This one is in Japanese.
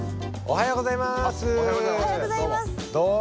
おはようございますどうも。